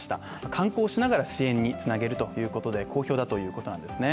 観光をしながら支援につなげるということで好評だということなんですね。